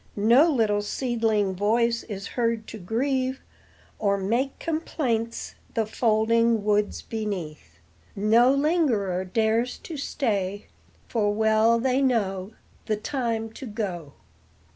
No little seedling voice is heard to grieve Or make complaints the folding woods beneath; No lingerer dares to stay, for well they know The time to go.